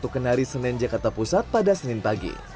satu kenari senen jakarta pusat pada senin pagi